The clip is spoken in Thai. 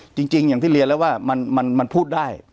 อย่างที่เรียนแล้วว่ามันพูดได้